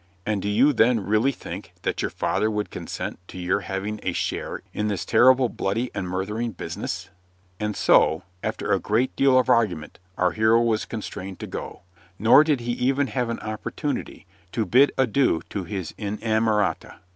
"And do you then really think that your father would consent to your having a share in this terrible bloody and murthering business?" And so, after a good deal of argument, our hero was constrained to go; nor did he even have an opportunity to bid adieu to his inamorata.